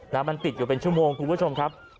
นะมันติดอยู่เป็นชั่วโมงคุณผู้ชมครับ